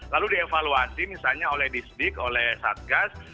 lalu dievaluasi misalnya oleh disdik oleh satgas